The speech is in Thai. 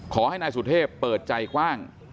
ขอให้นายสุเทพเปิดใจกว้าง